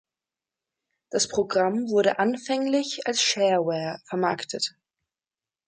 Das Programm wurde anfänglich als Shareware vermarktet.